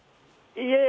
いえ。